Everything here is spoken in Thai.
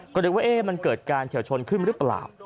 ก็นึกว่ามันเกิดการเฉียวชนขึ้นหรือเปล่า